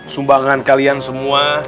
sumbangan kalian semua